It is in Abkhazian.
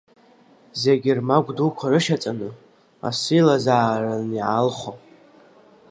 Зегьы рмагә дуқәа рышьаҵаны, асы илазаарын иаалхо.